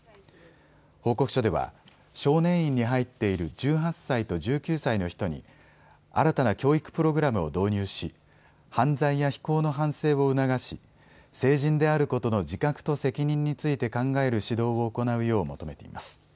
報告書では少年院に入っている１８歳と１９歳の人に新たな教育プログラムを導入し、犯罪や非行の反省を促し、成人であることの自覚と責任について考える指導を行うよう求めています。